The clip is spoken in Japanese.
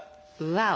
ワオ。